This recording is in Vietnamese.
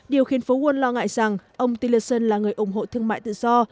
điều khiến phố quân lo ngại rằng ông tillerson là người ủng hộ thương mại tự do